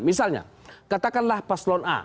misalnya katakanlah paslon a